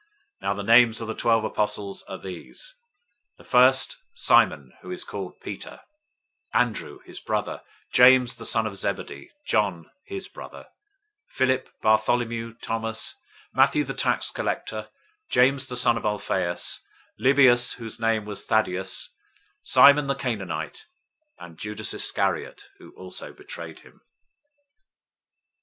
010:002 Now the names of the twelve apostles are these. The first, Simon, who is called Peter; Andrew, his brother; James the son of Zebedee; John, his brother; 010:003 Philip; Bartholomew; Thomas; Matthew the tax collector; James the son of Alphaeus; Lebbaeus, whose surname was{NU omits "Lebbaeus, whose surname was"} Thaddaeus; 010:004 Simon the Canaanite; and Judas Iscariot, who also betrayed him.